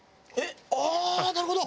ああーなるほど！